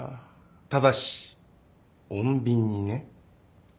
ただし穏便にね。